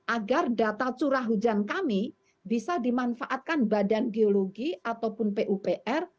agar data curah hujan kami bisa dimanfaatkan badan geologi ataupun pupr